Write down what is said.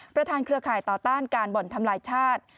เครือข่ายต่อต้านการบ่อนทำลายชาติ